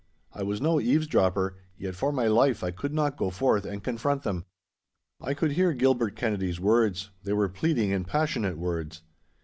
I was no eavesdropper, yet for my life I could not go forth and confront them. I could hear Gilbert Kennedy's words. They were pleading and passionate words.